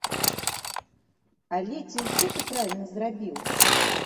Але ці ўсё ты правільна зрабіў?